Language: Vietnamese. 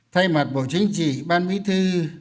thay mặt bộ chính trị ban bí thư